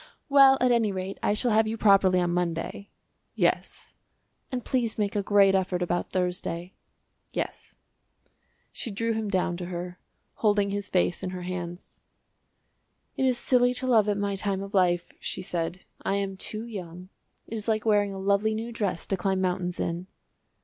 "Well, at any rate, I shall have you properly on Monday." "Yes." "And please make a great effort about Thursday." "Yes." She drew him down to her, holding his face in her hands. "It is silly to love at my time of life," she said; "I am too young. It is like wearing a lovely new dress to climb mountains in."